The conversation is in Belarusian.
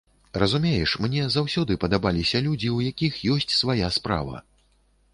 Разумееш, мне заўсёды падабаліся людзі, у якіх ёсць свая справа.